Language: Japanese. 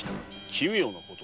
奇妙なこと？